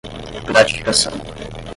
gratificação